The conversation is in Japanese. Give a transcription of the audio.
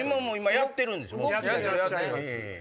やってるよ。